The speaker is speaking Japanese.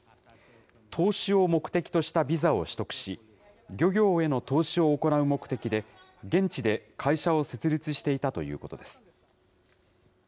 投資を目的としたビザを取得し、漁業への投資を行う目的で現地で会社を設立していたということです。